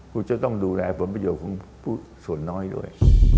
คุณจะต้องดูแลผลประโยชน์ของผู้ส่วนน้อยด้วย